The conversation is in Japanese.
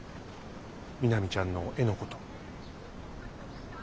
みなみちゃんの絵のこと。